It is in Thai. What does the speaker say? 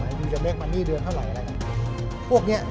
เราต้องเรียกกระทรวงการกีฬาออกมาจากกระทรวงการท่องเที่ยวค่ะ